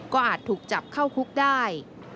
ก็อาจถูกจับเข้าคุกได้